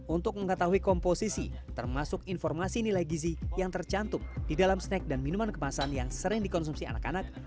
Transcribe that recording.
untuk mengetahui komposisi termasuk informasi nilai gizi yang tercantum di dalam snack dan minuman kemasan yang sering dikonsumsi anak anak